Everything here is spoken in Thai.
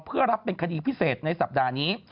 เพื่อรับเป็นคดีพิเศษในสัปดาห์นี้